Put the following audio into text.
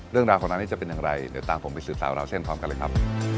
เรื่องราวของร้านนี้จะเป็นอย่างไรเดี๋ยวตามผมไปสืบสาวราวเส้นพร้อมกันเลยครับ